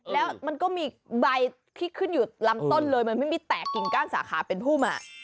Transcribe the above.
แล้วมันก็มีใบที่ขึ้นอยู่ลำต้นเลยมันไม่มีแตกกิ่งก้านสาขาเป็นผู้มา